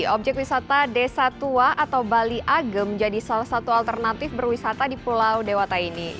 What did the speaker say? objek wisata desa tua atau bali age menjadi salah satu alternatif berwisata di pulau dewata ini